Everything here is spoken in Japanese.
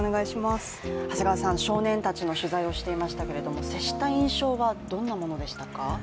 少年たちの取材をしていましたけれども接した印象はどんなものでしたか？